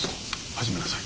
始めなさい。